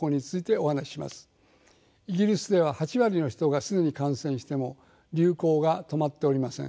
イギリスでは８割の人が既に感染しても流行が止まっておりません。